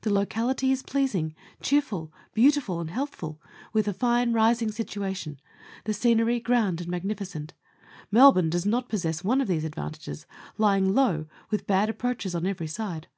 The locality is pleasing, cheerful, beautiful, and healthful, with a fine rising situation ; the scenery grand and magnificent. Melbourne does not possess one of these advantages, lying low, with bad approaches on every side.